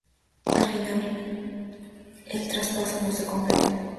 Al final, el traspaso no se concretó.